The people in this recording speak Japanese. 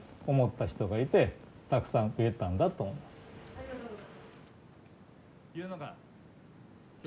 ありがとうございます。